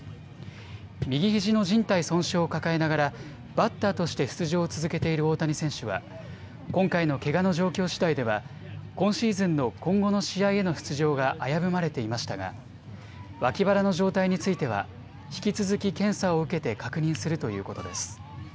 右ひじのじん帯損傷を抱えながらバッターとして出場を続けている大谷選手は今回のけがの状況しだいでは今シーズンの今後の試合への出場が危ぶまれていましたが脇腹の状態については引き続き検査を受けて確認するということです。